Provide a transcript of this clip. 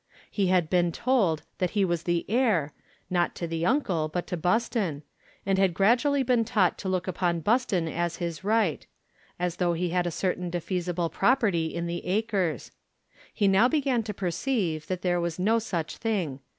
He had been told that he was the heir, not to the uncle, but to Buston, and had gradually been taught to look upon Buston as his right, as though he had a certain defeasible property in the acres. He now began to perceive that there was no such thing.